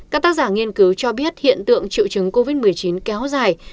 các tác giả nghiên cứu cho biết hiện tượng triệu chứng covid một mươi chín kéo dài